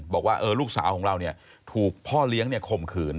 บอกว่าลูกสาวของเราเนี่ยถูกพ่อเลี้ยงข่มขืน